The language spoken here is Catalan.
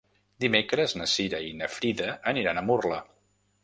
Dimecres na Cira i na Frida aniran a Murla.